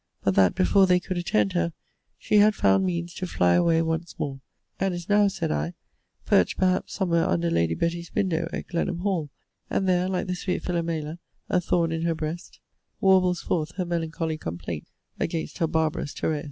But that, before they could attend her, she had found means to fly away once more: and is now, said I, perched perhaps somewhere under Lady Betty's window at Glenham hall; and there, like the sweet Philomela, a thorn in her breast, warbles forth her melancholy complaints against her barbarous Tereus.